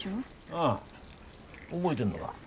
ああ覚えでんのが。